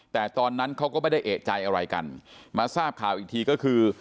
แต่ตอนนั้นเขาก็ไม่ได้เอกใจอะไรกันมาทราบข่าวอีกทีก็คือ